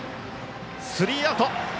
スリーアウト！